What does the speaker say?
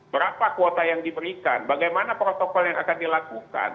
berapa kuota yang diberikan bagaimana protokol yang akan dilakukan